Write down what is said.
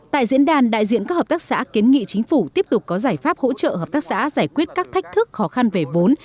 tại diễn đàn đại diện các hợp tác xã kiến nghị chính phủ tiếp tục có giải pháp hỗ trợ hợp tác xã giải quyết các thách thức khó khăn về vốn